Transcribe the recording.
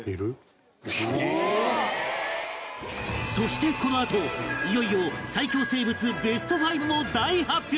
そしてこのあといよいよ最恐生物ベスト５も大発表！